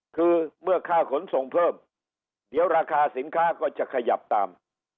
คือเมื่อค่าขนส่งเพิ่มเดี๋ยวราคาสินค้าก็จะขยับตาม